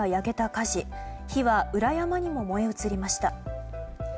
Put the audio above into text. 火は裏山にも燃え移りました。